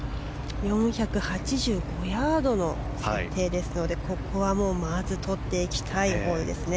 ４８５ヤードの設定ですのでここは、まずとっていきたいホールですね。